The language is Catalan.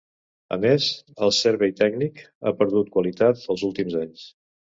A més, el serve tècnic ha perdut qualitat els últims anys.